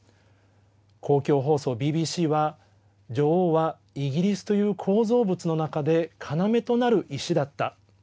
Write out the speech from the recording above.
公共放送ＢＢＣは、女王はイギリスという構造物の中で要となる石だった。